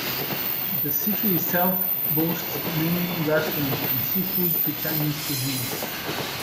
The city itself boasts many restaurants from seafood to Chinese cuisine.